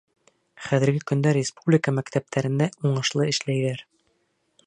Хәҙерге көндә республика мәктәптәрендә уңышлы эшләйҙәр.